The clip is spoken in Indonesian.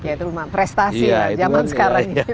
ya itu rumah prestasi ya zaman sekarang